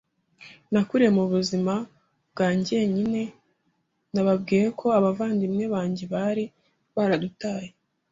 Nakuriye mu buzima bwa njyenyine, nababwiye ko abavandimwe banjye bari baradutaye,